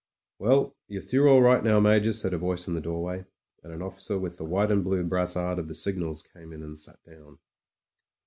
... "Well, you're through all right now. Major," said a voice in the doorway, and an officer with the white and blue brassard of the signals came in and sat down.